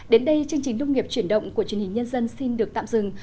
đến đây chương trình nông nghiệp chuyển động của truyền hình nhân dân xin được tạm dừng